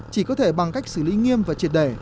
chỉ có thể bằng cách xử lý nghiêm và triệt đề